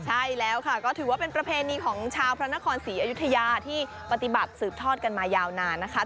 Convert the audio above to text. ใช่แล้วค่ะก็ถือว่าเป็นประเพณีของชาวพระนครศรีอยุธยาที่ปฏิบัติสืบทอดกันมายาวนานนะคะ